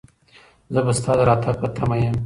زه به ستا د راتګ په تمه یم.